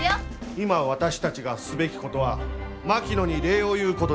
今私たちがすべきことは槙野に礼を言うことですよ。